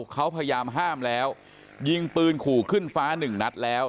เขาพยายามห้ามแล้วยิงปืนขู่ขึ้นฟ้าหนึ่งนัดแล้ว